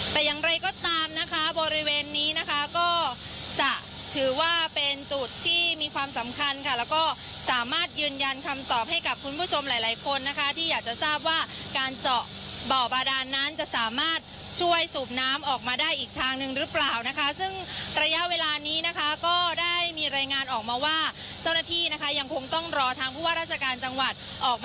แต่อย่างไรก็ตามนะคะบริเวณนี้นะคะก็จะถือว่าเป็นจุดที่มีความสำคัญค่ะแล้วก็สามารถยืนยันคำตอบให้กับคุณผู้ชมหลายหลายคนนะคะที่อยากจะทราบว่าการเจาะบ่อบาดานนั้นจะสามารถช่วยสูบน้ำออกมาได้อีกทางหนึ่งหรือเปล่านะคะซึ่งระยะเวลานี้นะคะก็ได้มีรายงานออกมาว่าเจ้าหน้าที่นะคะยังคงต้องรอทางผู้ว่าราชการจังหวัดออก